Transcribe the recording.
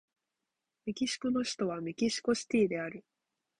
メキシコの首都はメキシコシティである